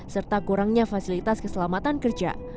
serta kurangnya fasilitas keselamatan kerja